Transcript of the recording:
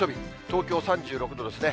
東京３６度ですね。